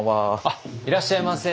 あっいらっしゃいませ。